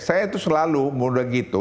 saya itu selalu udah gitu